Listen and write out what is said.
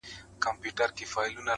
ځه پرېږده وخته نور به مي راويښ کړم ؛